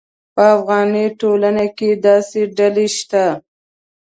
په افغاني ټولنه کې داسې ډلې شته.